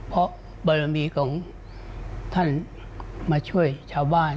เพราะบารมีของท่านมาช่วยชาวบ้าน